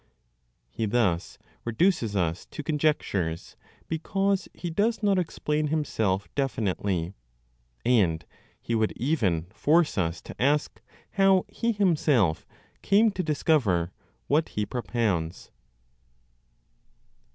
He thus reduces us to conjectures because he does not explain himself definitely; and he would even force us to ask how he himself came to discover what he propounds.